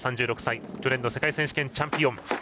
３６歳去年の世界選手権チャンピオン。